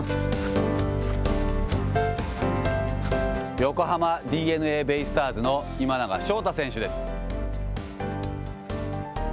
横浜ＤｅＮＡベイスターズの今永昇太選手です。